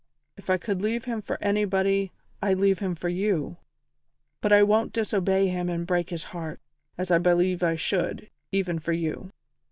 If I could leave him for anybody, I'd leave him for you, but I won't disobey him and break his heart, as I believe I should, even for you."